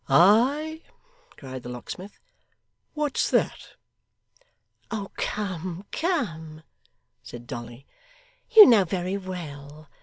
'Ay?' cried the locksmith. 'What's that?' 'Come, come,' said Dolly, 'you know very well.